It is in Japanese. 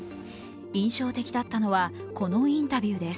印象的だったのは、このインタビューです。